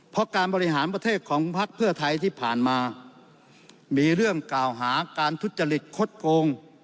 เพราะการบริหารประเทศของพักเพื่อไทยที่ผ่านมามีเรื่องกล่าวหาการทุจริตคดโกง